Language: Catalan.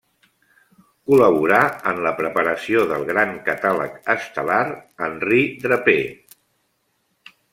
Col·laborà en la preparació del gran catàleg estel·lar Henry Draper.